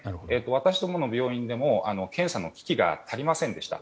私どもの病院でも検査の機器が足りませんでした。